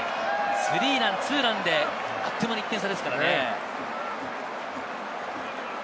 スリーラン、ツーランであっという間に１点差ですからね。